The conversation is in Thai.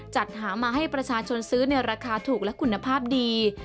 จัดหามาให้ประชาชนซื้อในราคาถูกและคุณภาพดี